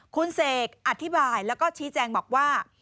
คุณเสกอธิบายแล้วก็ชี้แจงบอกว่า